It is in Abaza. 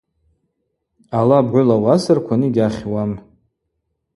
Ала бгӏвыла уасырквын йгьахьуам.